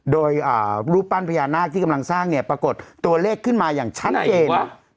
โดยรูปปั้นพญานาคที่กำลังสร้างเนี่ยปรากฏตัวเลขขึ้นมาอย่างชัดเจน